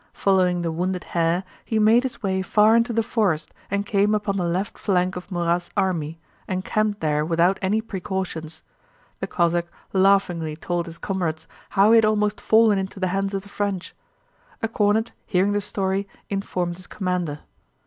Following the wounded hare he made his way far into the forest and came upon the left flank of Murat's army, encamped there without any precautions. The Cossack laughingly told his comrades how he had almost fallen into the hands of the French. A cornet, hearing the story, informed his commander.